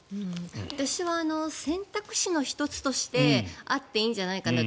私は選択肢の１つとしてあっていいんじゃないかなと。